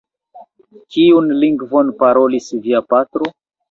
Kiun lingvon parolis via patro?